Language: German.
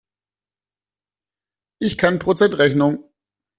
Ich kann Prozentrechnung!